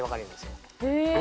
へえ！